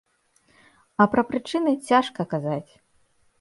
А пра прычыны цяжка казаць.